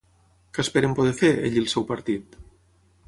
Què esperen poder fer, ell i el seu partit?